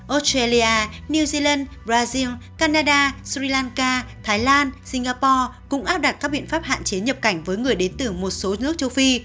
australia new zealand brazil canada sri lanka thái lan singapore cũng áp đặt các biện pháp hạn chế nhập cảnh với người đến từ một số nước châu phi